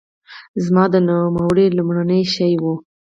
زما د نوملړ لومړنی شی وي.